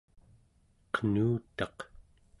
qenutaq